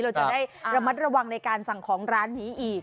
เราจะได้ระมัดระวังในการสั่งของร้านนี้อีก